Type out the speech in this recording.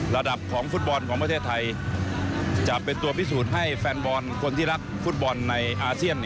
ระดับของฟุตบอลของประเทศไทยจะเป็นตัวพิสูจน์ให้แฟนบอลคนที่รักฟุตบอลในอาเซียน